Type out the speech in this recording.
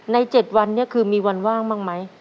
๗วันนี้คือมีวันว่างบ้างไหม